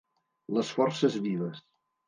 Les forces vives.